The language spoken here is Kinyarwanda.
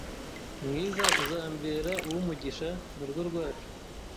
mwiza uzambera uw’umugisha mu rugo rwacu